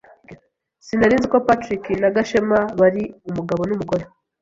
Sinari nzi ko Patrick na Gashema bari umugabo n'umugore.